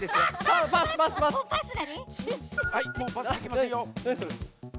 はいもうパスできませんよ。